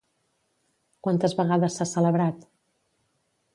Quantes vegades s'ha celebrat?